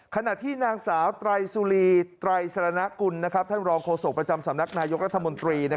ขณะที่นางสาวไตรสุรีไตรสรณกุลท่านรองโฆษกประจำสำนักนายกรัฐมนตรี